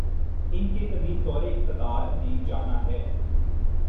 ان کے طویل دور اقتدار نے جانا ہے۔